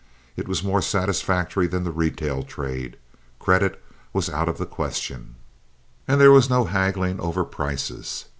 It was more satisfactory than the retail trade; credit was out of the question, and there was no haggling over prices.